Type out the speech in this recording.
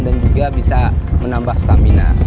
dan juga bisa menambah stamina